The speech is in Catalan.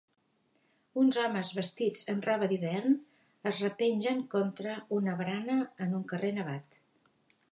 Uns homes vestits amb roba d'hivern es repengen contra una barana en un carrer nevat